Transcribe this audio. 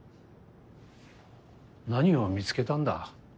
何を見つけたんだ？